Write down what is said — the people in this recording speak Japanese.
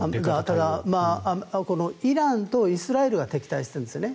イランとイスラエルは敵対しているんですよね。